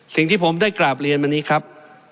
สิ่งที่ผมได้กราบเรียนมานี้ครับ